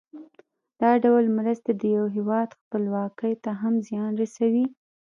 دا ډول مرستې د یو هېواد خپلواکۍ ته هم زیان رسوي.